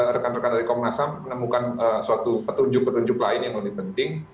rekan rekan dari komnas ham menemukan suatu petunjuk petunjuk lain yang lebih penting